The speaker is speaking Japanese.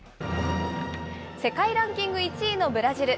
世界ランキング１位のブラジル。